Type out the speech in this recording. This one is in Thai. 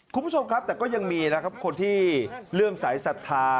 คุณผู้ชมครับแต่ก็ยังมีนะครับคนที่เรื่องสายศรัทธา